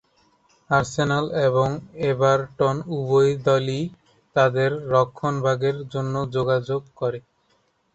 Arsenal এবং Everton উভয়ই দলই তাঁদের রক্ষণ ভাগের জন্য যোগাযোগ করে।